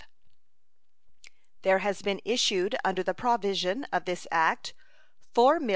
There has been issued under the provisions of this act $4,735,296.